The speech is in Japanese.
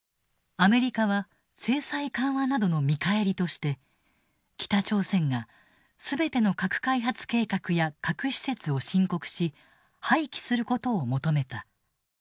アメリカは制裁緩和などの見返りとして北朝鮮が全ての核開発計画や核施設を申告し廃棄することを求めた。